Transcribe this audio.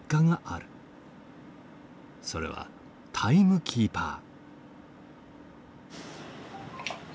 それはタイムキーパー。